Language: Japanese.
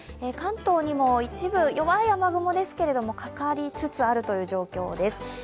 関東にも一部、弱い雨雲ですけどかかりつつある状況です。